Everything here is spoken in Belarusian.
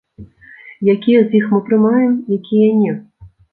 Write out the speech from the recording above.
Якія з іх мы прымаем, якія не?